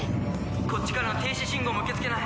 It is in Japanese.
こっちからの停止信号も受け付けない！